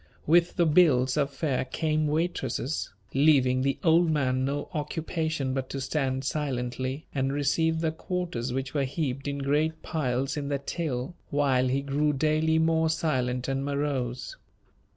With the bills of fare came waitresses, leaving the old man no occupation but to stand silently, and receive the quarters which were heaped in great piles in the till, while he grew daily more silent and morose.